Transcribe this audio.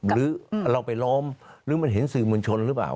หรือเราไปล้อมหรือมันเห็นสื่อมวลชนหรือเปล่า